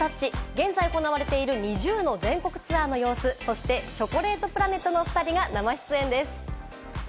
現在行われているＮｉｚｉＵの全国ツアーの様子、そしてチョコレートプラネットのおふたりが生出演です。